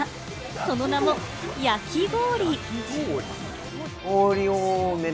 その名も、焼き氷。